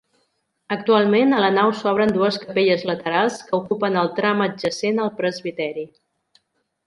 Actualment, a la nau s'obren dues capelles laterals que ocupen el tram adjacent al presbiteri.